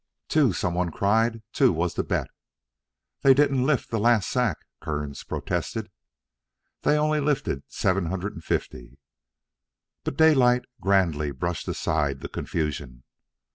"Two!" some one cried. "Two was the bet." "They didn't lift that last sack," Kearns protested. "They only lifted seven hundred and fifty." But Daylight grandly brushed aside the confusion.